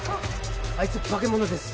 あいつ化け物です。